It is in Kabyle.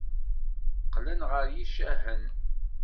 Qqlen ɣer yicahen.